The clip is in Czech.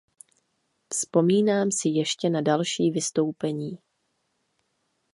Vzpomínám si ještě na další vystoupení.